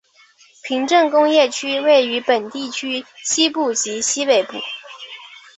平镇工业区位于本地区西部及西北部。